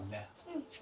うん。